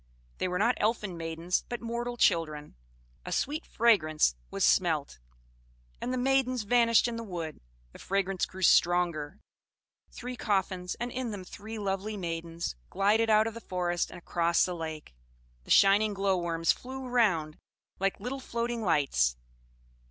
They were not elfin maidens, but mortal children. A sweet fragrance was smelt, and the maidens vanished in the wood; the fragrance grew stronger three coffins, and in them three lovely maidens, glided out of the forest and across the lake: the shining glow worms flew around like little floating lights.